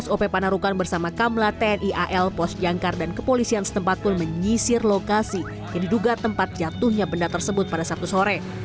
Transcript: pop panarukan bersama kamla tni al pos jangkar dan kepolisian setempat pun menyisir lokasi yang diduga tempat jatuhnya benda tersebut pada sabtu sore